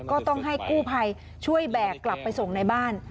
ก็ต้องให้กู้ภัยช่วยแบกกลับไปส่งในบ้าน